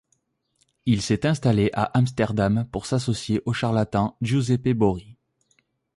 Il s'est installé à Amsterdam pour s'associer au charlatan Giuseppe Borri.